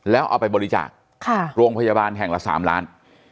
แล้วเอาไปบริจาคโรงพยาบาลแห่งละ๓ล้าน